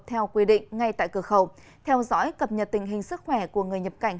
theo quy định ngay tại cửa khẩu theo dõi cập nhật tình hình sức khỏe của người nhập cảnh